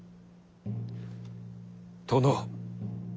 殿。